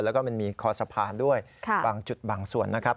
แล้วก็มันมีคอสะพานด้วยบางจุดบางส่วนนะครับ